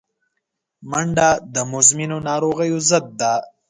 منډه د مزمنو ناروغیو ضد ده